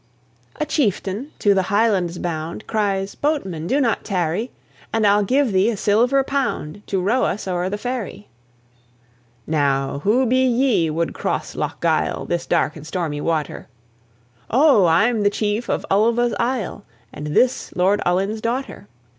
A chieftain, to the Highlands bound, Cries, "Boatman, do not tarry! And I'll give thee a silver pound, To row us o'er the ferry." "Now who be ye, would cross Lochgyle, This dark and stormy water?" "O, I'm the chief of Ulva's isle, And this Lord Ullin's daughter.